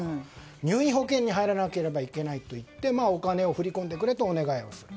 入院保険に入らなければいけないと言ってお金を振り込んでくれとお願いをする。